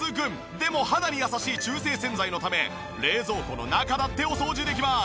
でも肌に優しい中性洗剤のため冷蔵庫の中だってお掃除できます。